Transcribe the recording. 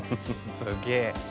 すげえ。